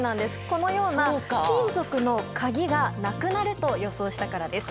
このような金属の鍵がなくなると予想したからです。